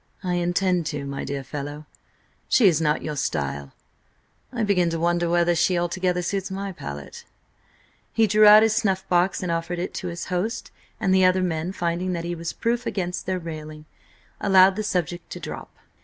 "I intend to, my dear fellow. She is not your style. I begin to wonder whether she altogether suits my palate." He drew out his snuff box and offered it to his host, and the other men finding that he was proof against their railing, allowed the subject to drop.